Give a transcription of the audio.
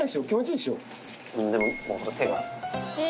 でも手が。